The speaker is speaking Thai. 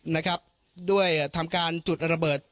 นะครับด้วยทำการจุดระเบิด